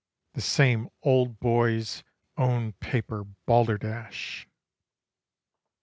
The same old Boys' Own Paper balderdash!